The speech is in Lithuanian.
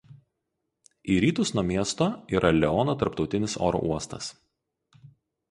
Į rytus nuo miesto yra Leono tarptautinis oro uostas.